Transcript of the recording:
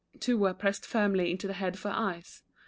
Two were pressed firmly into the head for eyes.